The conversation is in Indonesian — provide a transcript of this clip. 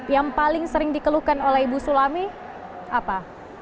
yang paling sering dikeluhkan oleh ibu sulami apa